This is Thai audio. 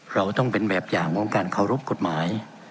เราต้องเป็นแบบอย่างของการเคารพกฎหมาย